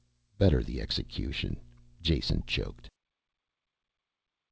"Better the execution," Jason choked.